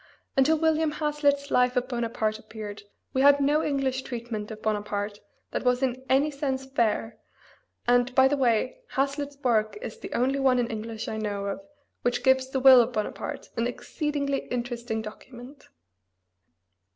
Until William Hazlitt's life of Bonaparte appeared we had no English treatment of Bonaparte that was in any sense fair, and, by the way, Hazlitt's work is the only one in English I know of which gives the will of Bonaparte, an exceedingly interesting document.